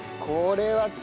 これは。